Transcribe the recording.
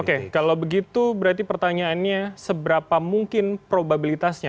oke kalau begitu berarti pertanyaannya seberapa mungkin probabilitasnya